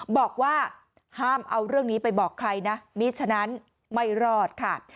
บอกว่าห้ามเอาเรื่องนี้ไปบอกใครนะมีฉะนั้นไม่รอดค่ะ